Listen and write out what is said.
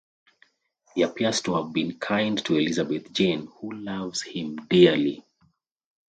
He appears to have been kind to Elizabeth-Jane, who loves him dearly.